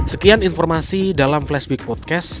sekian informasi dalam flash week podcast